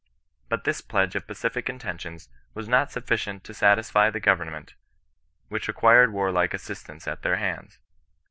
But this pledge of pacific intentions was not sufficient to satisfy the government, which re quired warlike assistance at their hands.